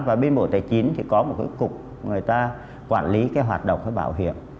và bên bộ tài chính thì có một cục người ta quản lý hoạt động bảo hiểm